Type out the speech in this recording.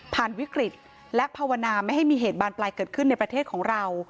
วิกฤตและภาวนาไม่ให้มีเหตุบานปลายเกิดขึ้นในประเทศของเรา